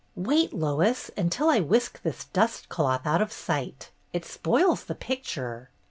"Wait, Lois, until I whisk this dust cloth out of sight. It spoils the picture.